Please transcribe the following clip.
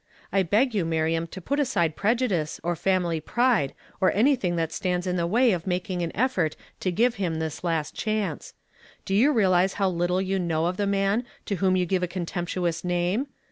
T beg you, ^Miriam, to put aside preju dice, or family pride, or anything that stands in the way of making an effort to give him this last chance. Do you realize how little you know of the man to whom you give a contemptuous name?